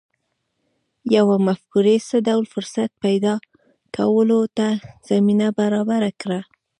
یوې مفکورې څه ډول فرصت پیدا کولو ته زمینه برابره کړه